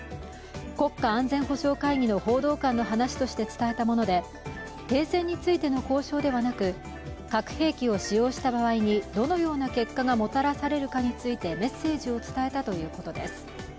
国家安全保障会議の報道官の話として伝えたもので停戦についての交渉ではなく核兵器を使用した場合にどのような結果がもたらされるのかについてメッセージを伝えたということです。